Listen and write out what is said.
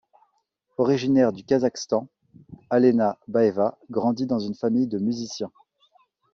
Originaire du Kazakhstan, Alena Baeva grandit dans une famille de musiciens.